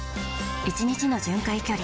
１日の巡回距離